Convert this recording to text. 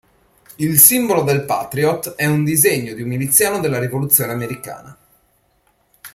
Il simbolo del Patriot è un disegno di un miliziano della rivoluzione americana.